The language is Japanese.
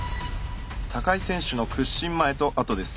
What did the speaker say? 高井選手の屈伸前と後です。